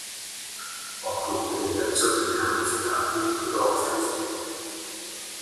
Auch konnte der Herzog die Kammer vertagen oder auflösen.